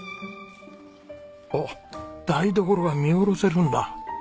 おっ台所が見下ろせるんだ。